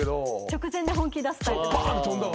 直前で本気出すタイプなんで。